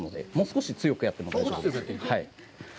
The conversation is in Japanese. もう少し強くやっても大丈夫です。